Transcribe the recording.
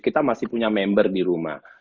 kita masih punya member di rumah